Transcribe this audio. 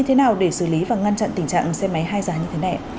như thế nào để xử lý và ngăn chặn tình trạng xe máy hai giá như thế này